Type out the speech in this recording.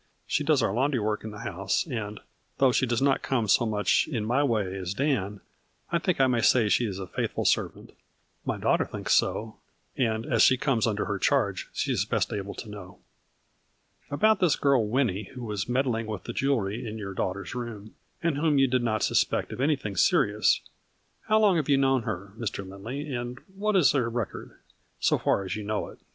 She does our laundry work in the house, and, though she does not come so much in my way as Dan, I think I may say she is a faithful servant. My daughter thinks so, and, as she comes under her charge, she is best able to know." " About this girl Winnie, who was meddling with the jewelry in your daughter's room, and whom you did not suspect of anything serious, how long have you known her, Mr. Lindley and what is her record, so far as you know it